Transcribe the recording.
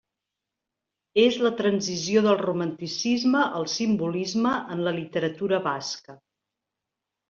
És la transició del romanticisme al simbolisme en la literatura basca.